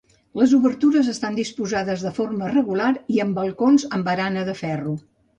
Les obertures estan disposades de forma regular i amb balcons amb barana de ferro.